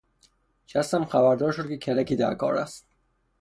شستم خبر دار شد که کلکی در کار است.